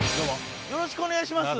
よろしくお願いします。